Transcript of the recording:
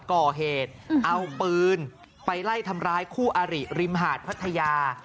ก่อเหตุเอาปืนไปไล่ทำร้ายคู่อาริริมหาดพัทยา